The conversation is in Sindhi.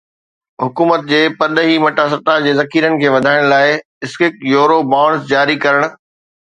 حڪومت جي پرڏيهي مٽاسٽا جي ذخيرن کي وڌائڻ لاءِ سکڪ يورو بانڊز جاري ڪرڻ